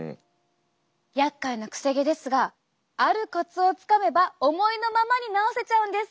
やっかいなくせ毛ですがあるコツをつかめば思いのままに直せちゃうんです。